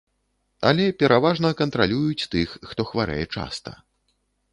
Але пераважна кантралююць тых, хто хварэе часта.